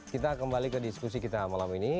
kita kembali ke diskusi kita malam ini